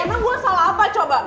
karena gue salah apa coba